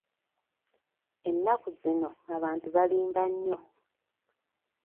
Ennaku zino abantu balimba nnyo.